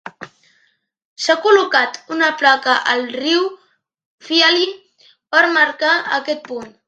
S'ha col·locat una placa al riu Feale per marcar aquest punt.